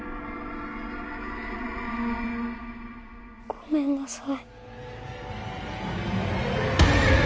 ごめんなさい。